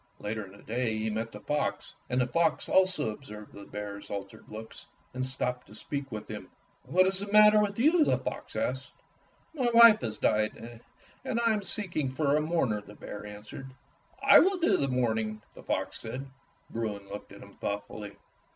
Later in the day he met the fox, and the fox also observed the bear's altered looks and stopped to speak with him. "What is the matter with you.^^" the fox asked. "My wife has died, and I am seeking for a mourner," the bear answered. "I will do the mourning," the fox said. Bruin looked at him thoughtfully.